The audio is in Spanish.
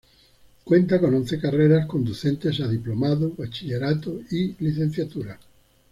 Cuenta con once carreras conducentes a Diplomado, Bachillerato y Licenciatura.